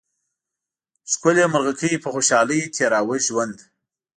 ښکلې مرغکۍ په خوشحالۍ تېراوه ژوند